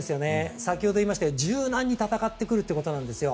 先ほど言いましたように柔軟に戦ってくるということなんですよ。